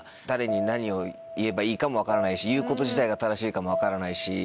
誰に何を言えばいいかも分からないし言うこと自体が正しいかも分からないし。